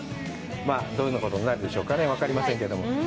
どんなことになるんでしょうかね、分かりませんけど。